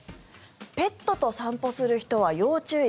ペットと散歩する人は要注意！